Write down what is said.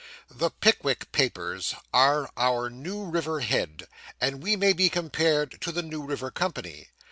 The Pickwick papers are our New River Head; and we may be compared to the New River Company.